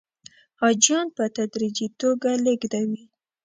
حاجیان په تدریجي توګه لېږدوي.